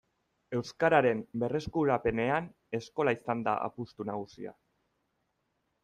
Euskararen berreskurapenean eskola izan da apustu nagusia.